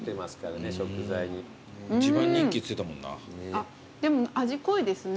あっでも味濃いですね。